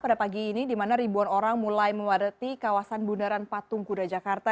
pada pagi ini di mana ribuan orang mulai memadati kawasan bundaran patung kuda jakarta